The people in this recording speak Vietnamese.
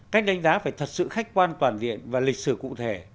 cách đánh giá phải thật sự khách quan toàn diện và lịch sử cụ thể